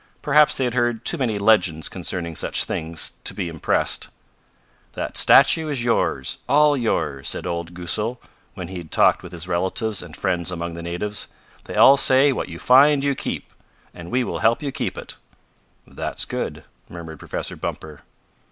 Perhaps they had heard too many legends concerning such things to be impressed. "That statue is yours all yours," said old Goosal when he had talked with his relatives and friends among the natives. "They all say what you find you keep, and we will help you keep it." "That's good," murmured Professor Bumper.